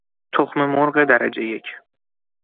تخم مرغ درجهی یک